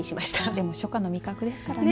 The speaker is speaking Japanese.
でも、初夏の味覚ですからね。